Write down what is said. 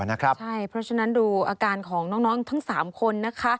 ใช่เพราะฉะนั้นดูอาการของน้องทั้งสามคน